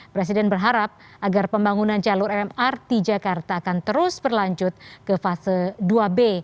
presiden berharap agar pembangunan jalur mrt jakarta akan terus berlanjut ke fase dua b